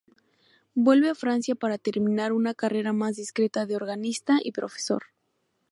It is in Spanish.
Vuelve a Francia para terminar una carrera más discreta de organista y profesor.